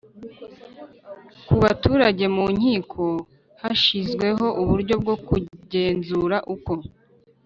ku baturage Mu nkiko hashyizweho uburyo bwo kugenzura uko